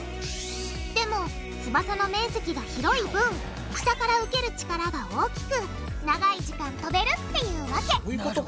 でも翼の面積が広い分下から受ける力が大きく長い時間飛べるっていうわけそういうことか！